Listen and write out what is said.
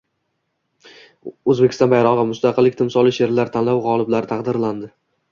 “O‘zbekiston bayrog‘i – mustaqillik timsoli” she’rlar tanlovi g‘oliblari taqdirlandi